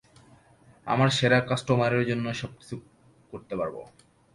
আমার সেরা কাস্টোমারের জন্য সবকিছু করতে পারব।